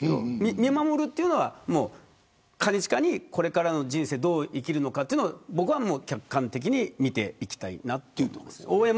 見守るというのは兼近にこれからの人生をどう生きるかというのを客観的に見ていきたいな。